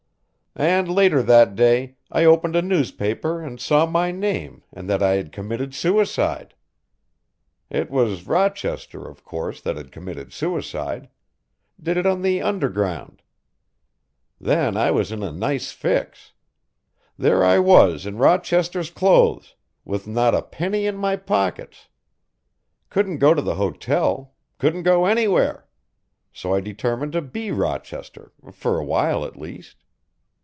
"And later that day I opened a newspaper and saw my name and that I had committed suicide. It was Rochester, of course, that had committed suicide; did it on the underground. Then I was in a nice fix. There I was in Rochester's clothes, with not a penny in my pockets; couldn't go to the hotel, couldn't go anywhere so I determined to be Rochester, for a while, at least.